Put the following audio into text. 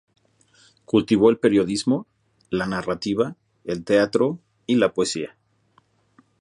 Cultivó el periodismo, la narrativa, el teatro y la poesía.